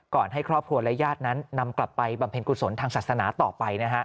ให้ครอบครัวและญาตินั้นนำกลับไปบำเพ็ญกุศลทางศาสนาต่อไปนะฮะ